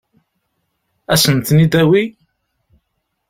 Ad sen-ten-id-tawi?